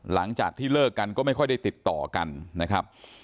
หลังจากที่เลิกกันก็ไม่ค่อยได้ติดต่อกันนะครับ